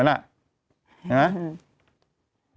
เห็นไหม